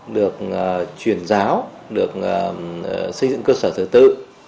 được truyền giáo được xây dựng cơ sở thứ tự